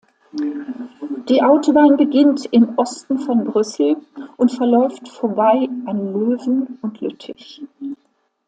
Die Autobahn beginnt im Osten von Brüssel und verläuft vorbei an Löwen und Lüttich.